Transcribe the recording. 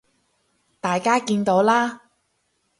大家見到啦